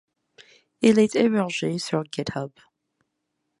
Il est hébergé sur GitHub.